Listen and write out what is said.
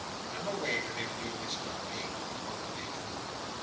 "Come away from him, do, Miss Dombey," quoth the matron.